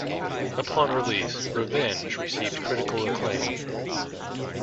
Upon release, "Revenge" received critical acclaim.